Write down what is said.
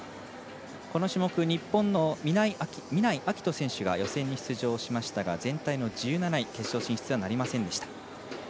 この種目、日本の南井瑛翔選手が出場しましたが全体の１７位、決勝進出はなりませんでした。